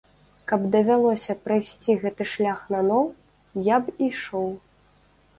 Каб давялося прайсці гэты шлях наноў, я б ішоў.